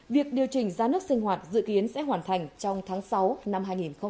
việc điều chỉnh giá nước sinh hoạt dự kiến sẽ hoàn thành trong tháng sáu năm hai nghìn hai mươi